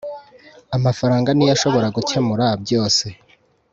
Amafaranga niyo ashobora gukemura byose\